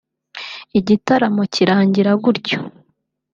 igitaramo kirangira gutyo